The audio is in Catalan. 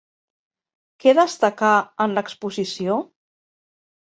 Què destacà en l'Exposició?